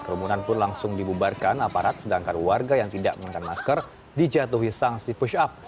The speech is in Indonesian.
kerumunan pun langsung dibubarkan aparat sedangkan warga yang tidak menggunakan masker dijatuhi sanksi push up